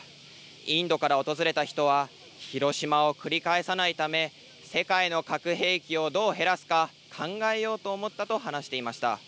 インドから訪れた人は、ヒロシマを繰り返さないため、世界の核兵器をどう減らすか考えようと思ったと話していました。